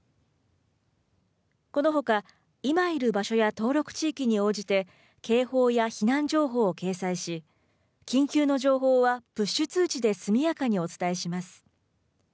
このほか、今いる場所や登録地域に応じて警報や避難情報を掲載し緊急の情報はプッシュ通知で速やかにお伝えします。